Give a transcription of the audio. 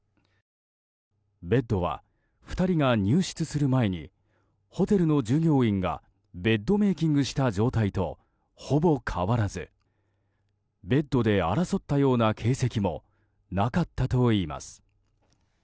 ベッドは２人が入室する前にホテルの従業員がベッドメイキングした状態とほぼ変わらずベッドで争ったような形跡もなかったといいます。